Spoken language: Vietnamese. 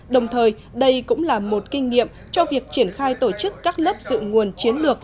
đồng thời đây cũng là một kinh nghiệm cho việc triển khai tổ chức các lớp dự nguồn chiến lược